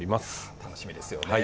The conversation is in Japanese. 楽しみですよね。